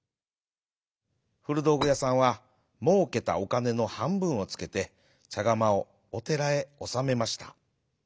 ふるどうぐやさんはもうけたおかねのはんぶんをつけてちゃがまをおてらへおさめました。